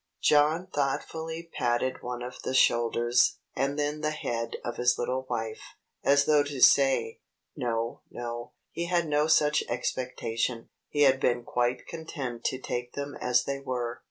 John thoughtfully patted one of the shoulders, and then the head of his little wife, as though to say, "No, no; he had no such expectation; he had been quite content to take them as they were."